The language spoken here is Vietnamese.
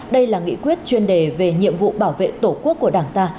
đây là nghị quyết chuyên đề về nhiệm vụ bảo vệ tổ quốc của đảng ta